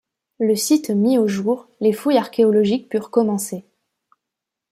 Le site mis au jour, les fouilles archéologiques purent commencer.